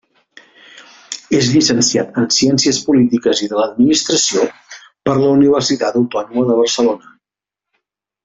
És llicenciat en Ciències Polítiques i de l'Administració per la Universitat Autònoma de Barcelona.